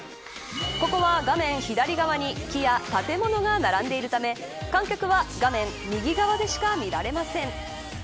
ここは画面左側に木や建物が並んでいるため観客は画面右側でしか見られません。